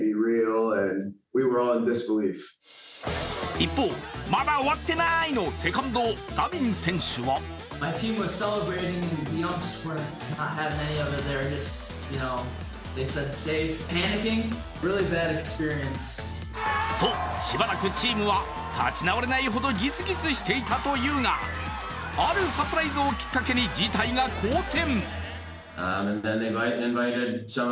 一方、まだ終わってない！のセカンド・ダヴィン選手はと、しばらくチームは立ち直れないほどギスギスしていたというが、あるサプライズをきっかけに事態が好転。